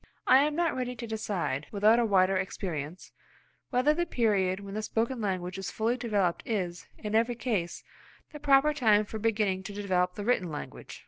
I am not ready to decide, without a wider experience, whether the period when the spoken language is fully developed is, in every case, the proper time for beginning to develop the written language.